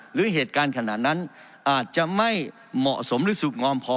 หรือเหตุการณ์ขนาดนั้นอาจจะไม่เหมาะสมหรือสุขงอมพอ